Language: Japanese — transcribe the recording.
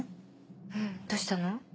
うんどうしたの？